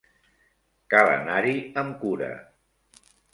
Cal anar-hi amb cura.